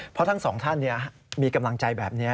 เพราะทั้งสองท่านมีกำลังใจแบบนี้